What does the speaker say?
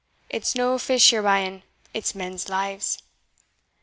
It's no fish ye're buying it's men's lives."